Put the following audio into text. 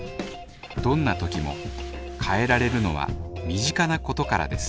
どんなときも変えられるのは身近なことからです